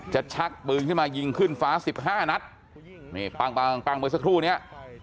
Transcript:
จะชักปืนขึ้นมายิงขึ้นฟ้า๑๕นัทนี่ปังปางเมื่อสักครู่นี้